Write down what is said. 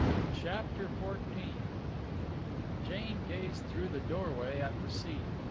CHAPTER XIV Jane gazed through the doorway at the sea.